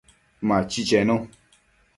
Machi chenu